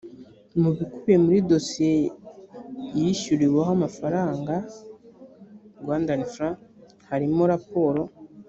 mu bikubiye muri dosiye yishyuriweho amafaranga frw harimo raporo